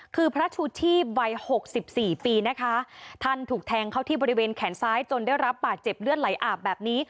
คือพระชูชีพวัยหกสิบสี่ปีนะคะท่านถูกแทงเข้าที่บริเวณแขนซ้ายจนได้รับบาดเจ็บเลือดไหลอาบแบบนี้